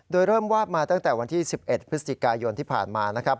โดยเริ่มวาดมาตั้งแต่วันที่๑๑พฤศจิกายนที่ผ่านมานะครับ